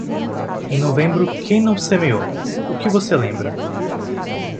Em novembro, quem não semeou, o que você lembra?